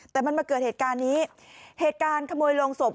แต่มันมาเกิดเหตุการณ์นี้เหตุการณ์ขโมยโรงศพ